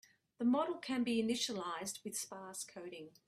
The model can be initialized with sparse coding.